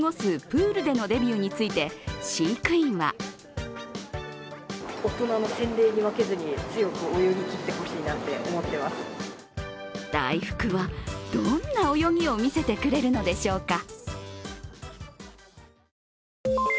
プールでのデビューについて飼育員はだいふくは、どんな泳ぎを見せてくれるのでしょうか。